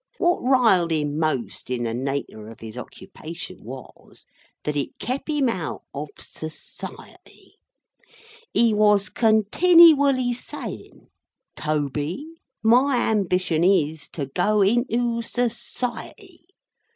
What riled him most in the nater of his occupation was, that it kep him out of Society. He was continiwally saying, "Toby, my ambition is, to go into Society.